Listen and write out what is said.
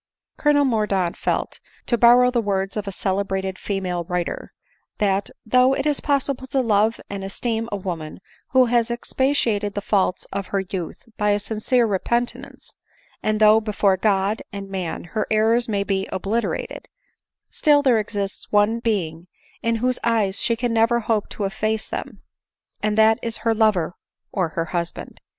Colonel Mordaunt felt, to borrow the words of a cele brated female writer,* that, " though it is possible to love and esteem a woman who has expiated the faults of her youth by a sincere repentance ; and though before God and man her errors may be obliterated ; still there exists one being in whose eyes she can never hope to efface them, and that is her lover or her husband."